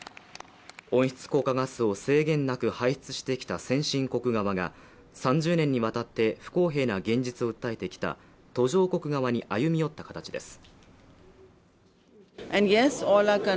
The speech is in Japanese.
温室効果ガスを制限なく排出してきた先進国側が３０年にわたって不公平な現実を訴えてきた途上国側に歩み寄った形です。